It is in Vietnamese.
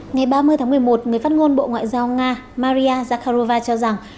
ngày ba mươi tháng một mươi một người phát ngôn bộ ngoại giao nga maria zakharova cho rằng